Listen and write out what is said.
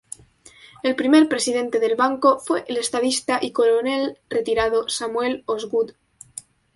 El primer presidente del banco fue el estadista y coronel retirado, Samuel Osgood.